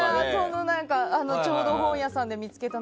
ちょうど本屋さんで見つけて。